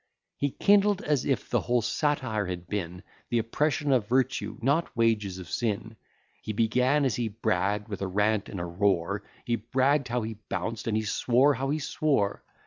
He kindled, as if the whole satire had been The oppression of virtue, not wages of sin: He began, as he bragg'd, with a rant and a roar; He bragg'd how he bounced, and he swore how he swore.